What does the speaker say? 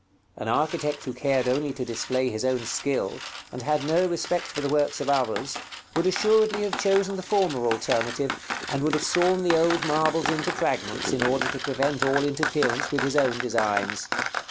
An architect who cared only to display his own skill, and had no respect for the works of others, would assuredly have chosen the former alternative, and would have sawn the old marbles into fragments in order to prevent all interference with his own designs.